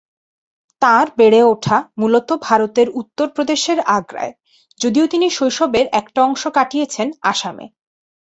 তাঁর বেড়ে ওঠা মূলত ভারতের উত্তরপ্রদেশের আগ্রায়, যদিও তিনি শৈশবের একটা অংশ কাটিয়েছেন আসামে।